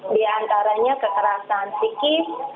di antaranya kekerasan psikis